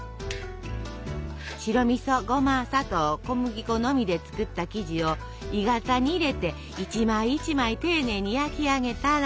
白みそゴマ砂糖小麦粉のみで作った生地を鋳型に入れて一枚一枚丁寧に焼き上げたら。